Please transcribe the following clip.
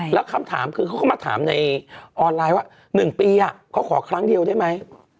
แล้วคำถามคือเขาก็มาถามในออนไลน์ว่า๑ปีเขาขอครั้งเดียวได้ไหม